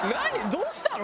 どうしたの？